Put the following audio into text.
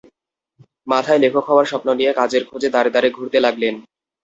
মাথায় লেখক হওয়ার স্বপ্ন নিয়ে কাজের খোঁজে দ্বারে দ্বারে ঘুরতে লাগলেন।